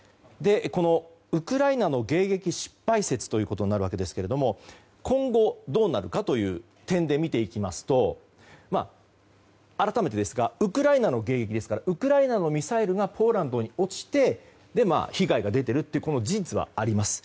このウクライナの迎撃失敗説ということになるわけですけれども今後どうなるかという点で見ると改めてですがウクライナの迎撃ですがウクライナのミサイルがポーランドに落ちて被害が出ているという事実はあります。